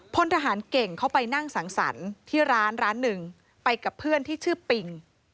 พลทหารเก่งเข้าไปนั่งสังสรรค์ที่ร้านร้านหนึ่งไปกับเพื่อนที่ชื่อปิง